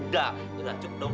udah udah cukup dong